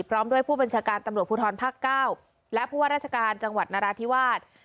พร้อมด้วยผู้บัญชาการตำรวจภูทรภาค๙และผู้ว่าราชการจังหวัดนราธิวาส